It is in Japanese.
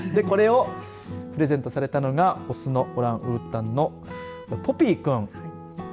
これをプレゼントされたのがオスのオランウータンのポピー君。